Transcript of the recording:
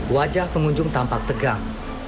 wajah pengunjung tampak tegang